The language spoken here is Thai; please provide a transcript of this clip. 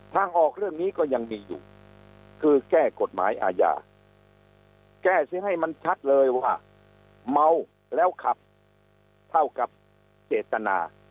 ทางออกเรื่องนี้ก็ยังมีอยู่คือแก้กฎหมายอาญาแก้ซิให้มันชัดเลยว่าเมาแล้วขับเท่ากับเจตนา